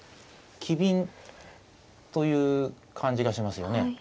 機敏という感じがしますよね。